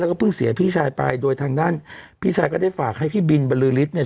แล้วก็เพิ่งเสียพี่ชายไปโดยทางด้านพี่ชายก็ได้ฝากให้พี่บินบรือฤทธิเนี่ย